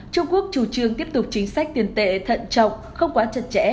trung quốc chủ trương tiếp tục chính sách tiền tệ thận trọng không quá chặt chẽ